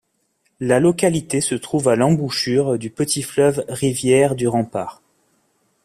La localité se trouve à l'embouchure du petit fleuve Rivière du Rempart.